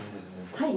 はい。